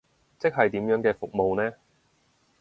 即係點樣嘅服務呢？